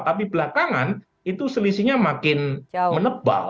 tapi belakangan itu selisihnya makin menebal